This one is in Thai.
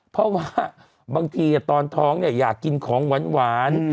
เพราะว่าบางทีตอนท้องเนี่ยอยากกินของหวาน